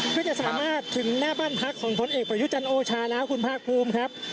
เพื่อจะสามารถถึงหน้าบ้านพักของผลเอกประยุจันทร์โอชาแล้วคุณภาคภูมิครับ